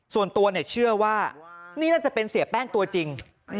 ส่วนตัวเชื่อว่านี่น่าจะเป็นเสียแป้งตัวจริง